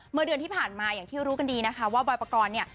เมื่อเดือนที่ผ่านมาอย่างที่รู้กันดีนะคะว่าบอยปกรณ์เนี่ย